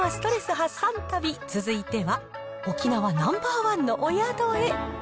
発散旅、続いては、沖縄ナンバー１のお宿へ。